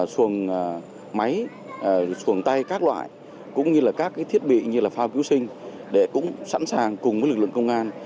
xuồng máy xuồng tay các loại cũng như các thiết bị như phao cứu sinh để cũng sẵn sàng cùng lực lượng công an